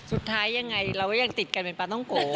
สุดท้ายยังไงเราก็ยังติดกันเป็นปลาต้องโก